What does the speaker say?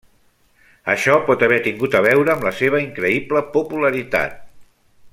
Això pot haver tingut a veure amb la seva increïble popularitat.